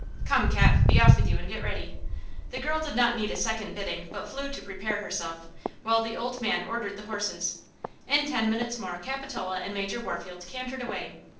Come, Cap, be off with you and get ready!" The girl did not need a second bidding but flew to prepare herself, while the old man ordered the horses. In ten minutes more Capitola and Major Warfield cantered away.